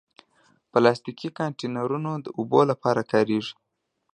پلاستيکي کانټینرونه د اوبو لپاره کارېږي.